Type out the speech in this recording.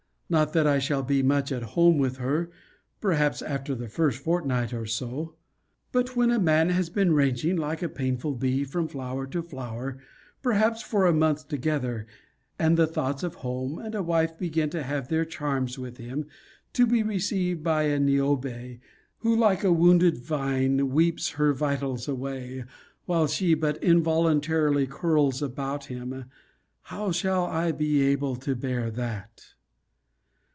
Not that I shall be much at home with her, perhaps, after the first fortnight, or so. But when a man has been ranging, like the painful bee, from flower to flower, perhaps for a month together, and the thoughts of home and a wife begin to have their charms with him, to be received by a Niobe, who, like a wounded vine, weeps her vitals away, while she but involuntary curls about him; how shall I be able to bear that?